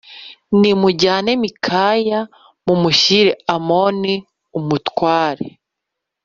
Nimujyane Mikaya mumushyire Amoni umutware